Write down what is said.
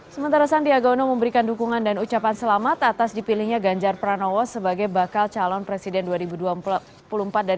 sementara sandiaga uno memberikan dukungan dan ucapan selamat atas dipilihnya ganjar pranowo sebagai bakal calon presiden dua ribu dua puluh empat